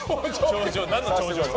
何の頂上？